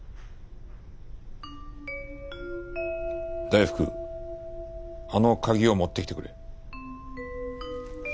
大福あの鍵を持ってきてくれ。